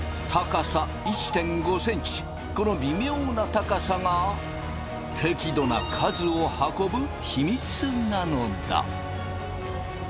この微妙な高さが適度な数を運ぶ秘密なのだ。